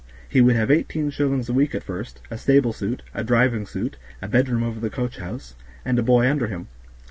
He would have eighteen shillings a week at first, a stable suit, a driving suit, a bedroom over the coachhouse, and a boy under him.